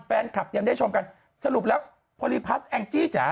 แฟนคลับยังได้ชมกันสรุปแล้วโพลิพัสแองจี้จ๋า